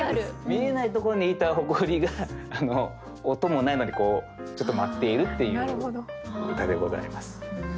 見えないところにいたホコリが音もないのにちょっと舞っているっていう歌でございます。